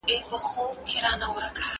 ستونزي د پرمختګ لپاره یو نوی چانس دی.